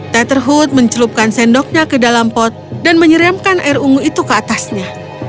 tetherhood mencelupkan sendoknya ke dalam pot dan menyerangnya